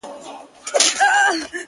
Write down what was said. o ورته نظمونه ليكم.